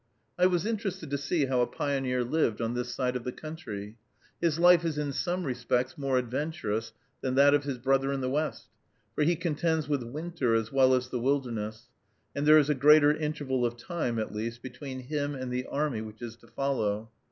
I was interested to see how a pioneer lived on this side of the country. His life is in some respects more adventurous than that of his brother in the West; for he contends with winter as well as the wilderness, and there is a greater interval of time at least between him and the army which is to follow.